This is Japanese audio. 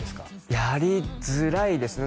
やりづらいですね